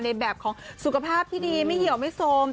ในแบบของสุขภาพที่ดีไม่เหี่ยวไม่โซม